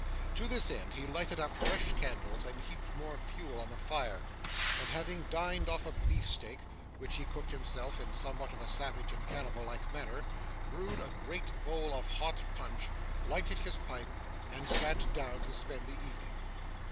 To this end, he lighted up fresh candles and heaped more fuel on the fire; and having dined off a beefsteak, which he cooked himself in somewhat of a savage and cannibal like manner, brewed a great bowl of hot punch, lighted his pipe, and sat down to spend the evening.